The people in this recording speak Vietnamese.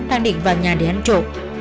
đang định vào nhà để ăn trộn